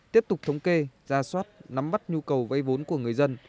tiếp tục thống kê ra soát nắm bắt nhu cầu vay vốn của người dân